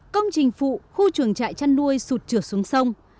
công trình phụ khu trường trại chăn nuôi sụt trượt xuống sông